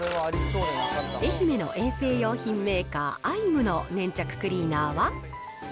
愛媛の衛生用品メーカー、アイムの粘着クリーナーは。